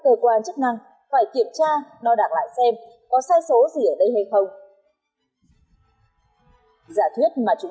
cơ quan chức năng phải kiểm tra đo đạc lại xem có sai số gì ở đây hay không giả thuyết mà chúng